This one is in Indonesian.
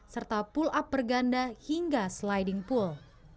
serta pull up berganda hingga sliding pool